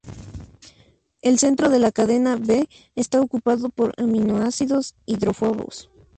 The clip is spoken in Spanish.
El centro de la cadena B está ocupado por aminoácidos hidrófobos.